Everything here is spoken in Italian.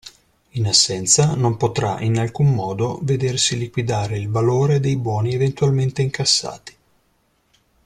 In assenza, non potrà, in alcun modo, vedersi liquidare il valore dei buoni eventualmente incassati.